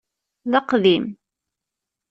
D aqdim.